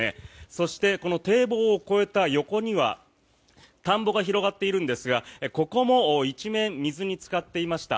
そして、この堤防を越えた横には田んぼが広がっているんですがここも一面、水につかっていました。